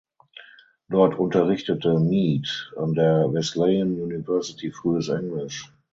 Dort unterrichtete Mead an der Wesleyan University Frühes Englisch.